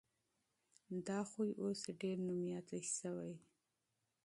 دا عادت اوس ډېر مشهور شوی دی.